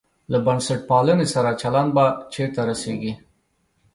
له بنسټپالنې سره چلند به چېرته رسېږي.